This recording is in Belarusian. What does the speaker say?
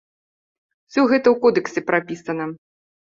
Усё гэта ў кодэксе прапісана.